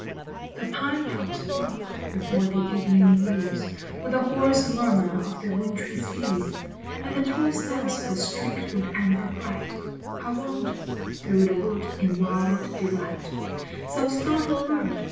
The pine tops rocked before the evening breeze With the hoarse murmur of the wintry seas, And the tall stems were streaked with amber bright ; I wandered through the wood in wild delight, Some startled bird!